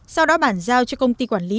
sau đó bản giao cho công ty quản lý